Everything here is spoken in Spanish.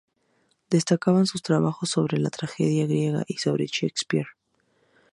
Destacan sus trabajos sobre la tragedia griega y sobre Shakespeare.